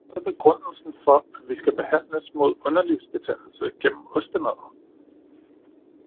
Hvad er begrundelsen for, at vi skal behandles mod underlivsbetændelse gennem ostemadder?